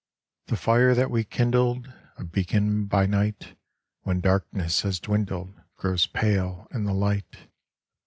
The fire that we kindled, A beacon by night, When darkness has dwindled Grows pale in the light.